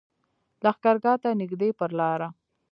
لښکرګاه ته نږدې پر لاره.